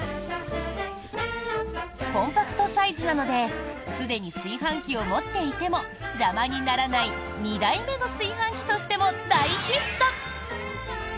コンパクトサイズなのですでに炊飯器を持っていても邪魔にならない２台目の炊飯器としても大ヒット。